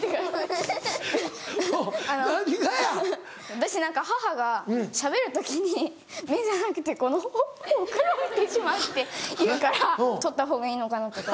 私何か母がしゃべる時に目じゃなくてこのほくろを見てしまうって言うから取ったほうがいいのかなとか。